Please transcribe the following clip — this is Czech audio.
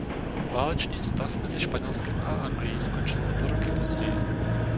Válečný stav mezi Španělskem a Anglií skončil o dva roky později.